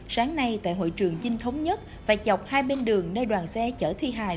sáng nay tại hội trường chinh thống nhất và chọc hai bên đường nơi đoàn xe chở thi hài